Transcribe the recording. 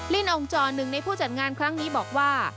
ินองจอหนึ่งในผู้จัดงานครั้งนี้บอกว่า